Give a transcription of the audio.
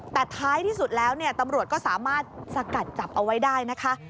แต่ท้ายที่สุดแล้วเนี่ยตำรวจก็สามารถสกัดจับเอาไว้ได้นะคะ